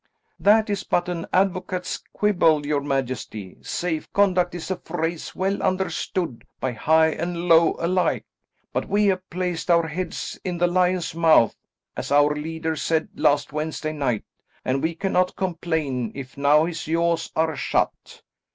"That is but an advocate's quibble, your majesty. Safe conduct is a phrase well understood by high and low alike. But we have placed our heads in the lion's mouth, as our leader said last Wednesday night, and we cannot complain if now his jaws are shut.